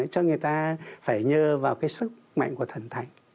cho người ta phải nhờ vào cái sức mạnh của thần thánh